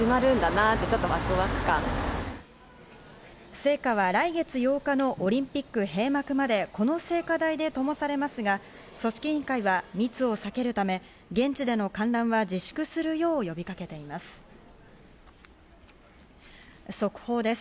聖火は来月８日のオリンピック閉幕まで、この聖火台でともされますが、組織委員会は密を避けるため現地での観覧は自粛するよう呼びかけています。